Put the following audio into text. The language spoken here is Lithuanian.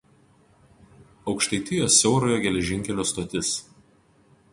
Aukštaitijos siaurojo geležinkelio stotis.